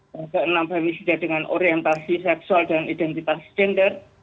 yang keenam femisida dengan orientasi seksual dan identitas gender